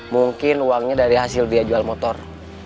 mungkin uangnya dari hasil biaya jual motor